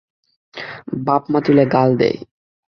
বাপ মা তুলে গাল দেয়।